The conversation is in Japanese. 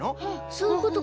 そういうことか。